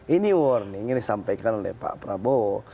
ini warning yang disampaikan oleh pak prabowo